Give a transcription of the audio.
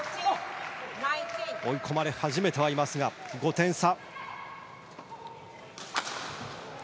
追い込まれ始めてはいますが５点差。